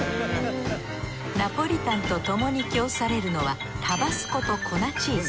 ナポリタンとともに供されるのはタバスコと粉チーズ。